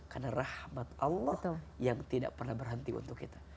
karena rahmat allah yang tidak pernah berhenti untuk kita